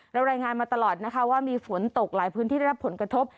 รายงานมาตลอดนะคะว่ามีฝนตกหลายพื้นที่ได้รับผลกระทบ